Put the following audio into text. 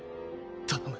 頼む。